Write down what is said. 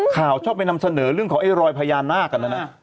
ชอบไปนำเสนอเรื่องของไอ้รอยพญานาคกันนะนะ